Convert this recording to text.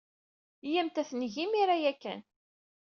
Iyyamt ad t-neg imir-a ya kan.